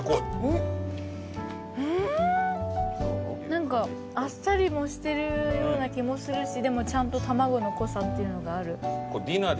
何かあっさりもしてるような気もするしでもちゃんと卵の濃さっていうのがある。